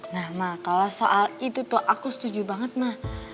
nah kalau soal itu tuh aku setuju banget mah